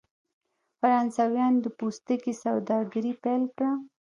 فرانسویانو د پوستکي سوداګري پیل کړه.